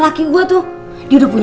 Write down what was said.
aku kasih tau